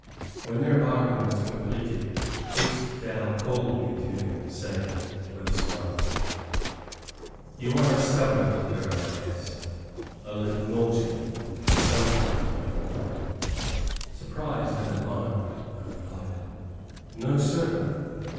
When their bargain was completed, Priest Dow called me to him, saying, with a smile, "You are a stubborn little girl, I guess, a little naughty, sometimes, are you not?" Surprised and alarmed, I replied, "No, sir."